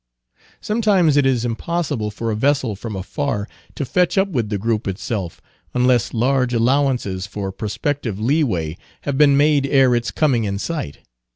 Sometimes it is impossible for a vessel from afar to fetch up with the group itself, unless large allowances for prospective lee way have been made ere its coming in sight.